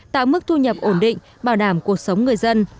tạo mức thu nhập ổn định bảo đảm cuộc sống người dân